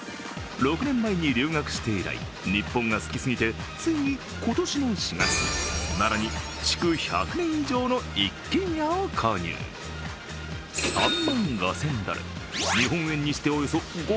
６年前に留学して以来、日本が好きすぎてついに今年の４月、奈良に築１００年以上の一軒家を購入３万５０００ドル、日本円にして５００万円。